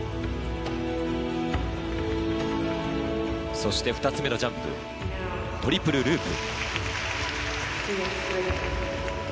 そして２つ目のジャンプトリプルループ。